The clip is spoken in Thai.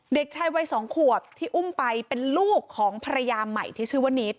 เด็กชายวัย๒ขวบที่อุ้มไปเป็นลูกของภรรยาใหม่ที่ชื่อว่านิด